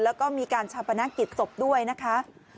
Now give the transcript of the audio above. แล้วก็มีการชาปนกิจศพด้วยนะคะ